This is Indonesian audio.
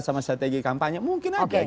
sama strategi kampanye mungkin aja